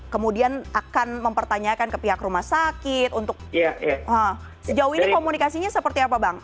kemudian akan mempertanyakan ke pihak rumah sakit untuk sejauh ini komunikasinya seperti apa bang